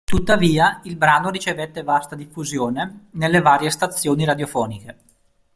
Tuttavia, il brano ricevette vasta diffusione nelle varie stazioni radiofoniche.